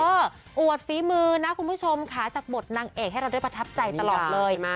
อวดฝีมือนะคุณผู้ชมค่ะจากบทนางเอกให้เราได้ประทับใจตลอดเลย